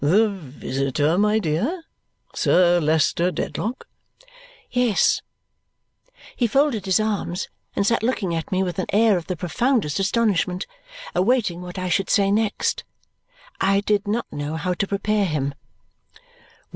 "The visitor, my dear! Sir Leicester Dedlock?" "Yes." He folded his arms and sat looking at me with an air of the profoundest astonishment, awaiting what I should say next. I did not know how to prepare him.